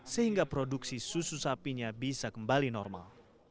sehingga produksi susu sapinya bisa kembali normal